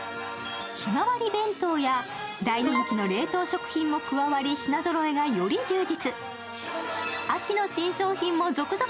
日替わり弁当や大人気の冷凍食品も加わり品ぞろえがより充実。